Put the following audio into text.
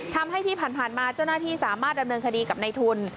ทำให้ที่ผ่านมาเจ้าหน้าที่สามารถดำเนินคดีกับในทุน